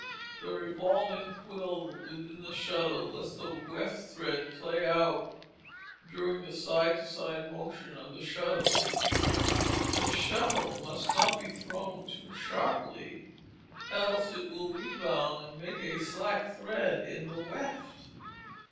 The revolving quill within the shuttle lets the weft thread play out during this side to side motion of the shuttle. The shuttle must not be thrown too sharply else it will rebound and make a slack thread in the weft.